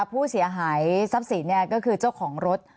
ผู้เสียหายทรัพย์สินก็คือเจ้าของรถ